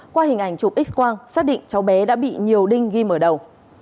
qua hình ảnh chụp x quang xác định cháu bé đã bị nhiều đinh ghim ở đầu